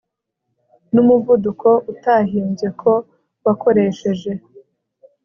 Numuvuduko utahimbye ko wakoresheje